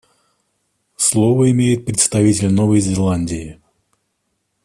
Слово имеет представитель Новой Зеландии.